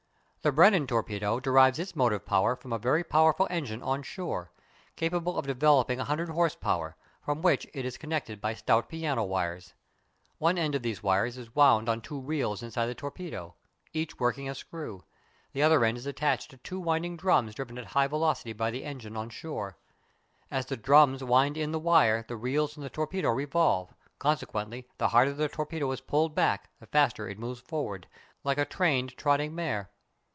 The Brennan torpedo derives its motive power from a very powerful engine on shore, capable of developing 100 horse power, with which it is connected by stout piano wires. One end of these wires is wound on two reels inside the torpedo, each working a screw; the other end is attached to two winding drums driven at high velocity by the engine on shore. As the drums wind in the wire the reels in the torpedo revolve; consequently, the harder the torpedo is pulled back the faster it moves forward, liked a trained trotting mare.